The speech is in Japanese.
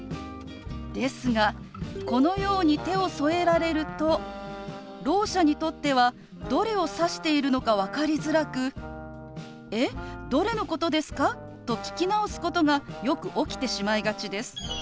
ですがこのように手を添えられるとろう者にとってはどれを指しているのか分かりづらく「えっ？どれのことですか？」と聞き直すことがよく起きてしまいがちです。